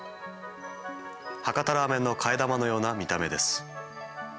博多ラーメンの替え玉のような見た目です。